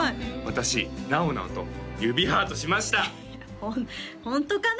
私なおなおと指ハートしましたホホントかな？